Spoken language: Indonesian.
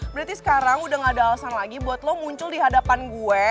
berarti sekarang udah gak ada alasan lagi buat lo muncul di hadapan gue